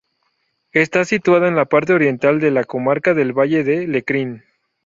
Está situada en la parte oriental de la comarca del Valle de Lecrín.